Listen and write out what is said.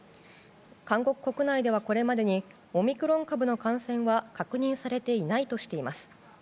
韓国国内ではこれまでにオミクロン株の感染は確認されていないとしています。